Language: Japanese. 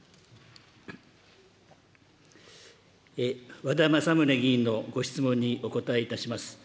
和田政宗議員のご質問にお答えいたします。